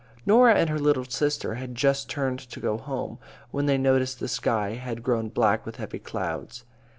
Norah and her little sister had just turned to go home, when they noticed the sky had grown black with heavy clouds.